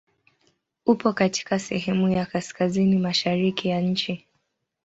Upo katika sehemu ya kaskazini mashariki ya nchi.